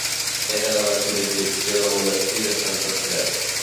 Era de la jurisdicció del monestir de Santes Creus.